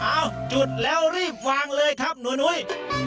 จุดแล้วรีบวางเลยครับหนูนุ้ย